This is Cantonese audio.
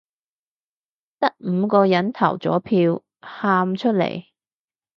得五個人投咗票，喊出嚟